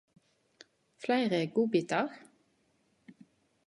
Fleire godbitar?